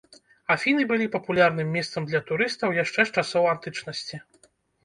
Афіны былі папулярным месцам для турыстаў яшчэ з часоў антычнасці.